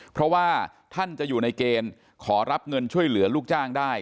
เพราะว่าท่านจะอยู่ในเกณฑ์ขอรับเงินช่วยเหลือลูกจ้างได้